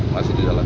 masih di dalam